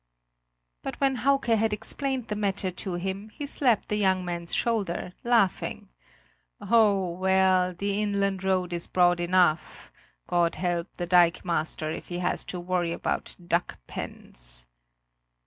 But when Hauke had explained the matter to him, he slapped the young man's shoulder, laughing: "Oh, well, the inland road is broad enough; God help the dikemaster if he has to worry about duck pens!"